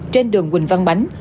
trên đường quỳnh văn bánh